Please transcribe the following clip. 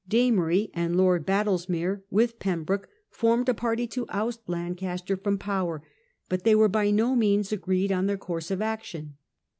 D'Amory and Lord Badlesmere, with Pembroke, formed a party to oust Lancaster from power, but they were by no means agreed on their course of action.